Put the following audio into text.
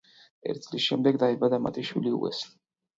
ერთი წლის შემდეგ დაიბადა მათი შვილი, უესლი.